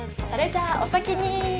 それじゃあお先に。